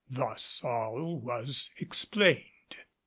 Thus all was explained.